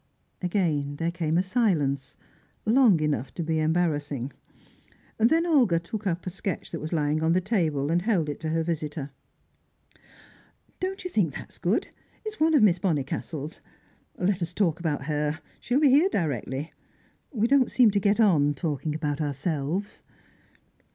Again there came a silence, long enough to be embarrassing. Then Olga took up a sketch that was lying on the table, and held it to her visitor. "Don't you think that good? It's one of Miss Bonnicastle's. Let us talk about her; she'll be here directly. We don't seem to get on, talking about ourselves."